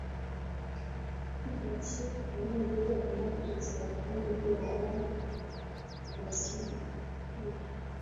Kuna sifa nyingi ambazo sabuni ya mwani inasifiwa